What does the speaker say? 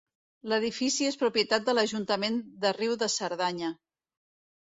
L'edifici és propietat de l'ajuntament de Riu de Cerdanya.